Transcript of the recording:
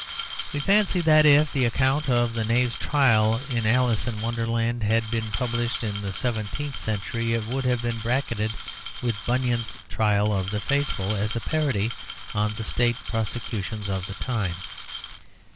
We fancy that if the account of the knave's trial in 'Alice in Wonderland' had been published in the seventeenth century it would have been bracketed with Bunyan's 'Trial of Faithful' as a parody on the State prosecutions of the time.